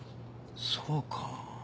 そうか。